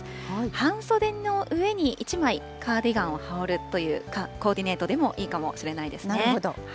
半袖の上に１枚カーディガンを羽織るというコーディネートでもいいかもしれないですね。